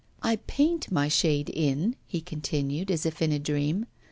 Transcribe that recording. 'I paint my shade in,' he continued, as if in a dream.